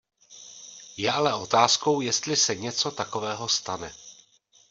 Je ale otázkou, jestli se něco takového stane.